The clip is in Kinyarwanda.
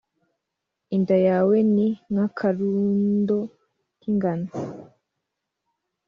Inda yawe ni nk’akarundo k’ingano